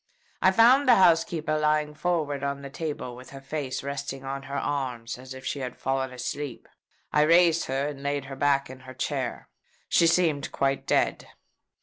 I found the housekeeper lying forward on the table, with her face resting on her arms, as if she had fallen asleep. I raised her, and laid her back in her chair. She seemed quite dead.